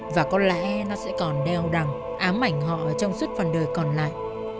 và có lẽ nó sẽ còn đeo đằng ám ảnh họ trong suốt phần đời còn lại